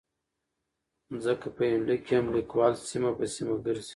ځکه په يونليک کې هم ليکوال سيمه په سيمه ګرځي